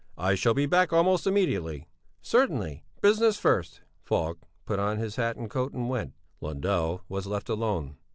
I shall be back almost immediately." "Certainly, business first." Falk put on his hat and coat and went. Lundell was left alone.